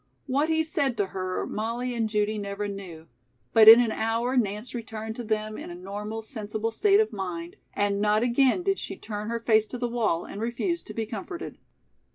What he said to her Molly and Judy never knew, but in an hour Nance returned to them in a normal, sensible state of mind, and not again did she turn her face to the wall and refuse to be comforted.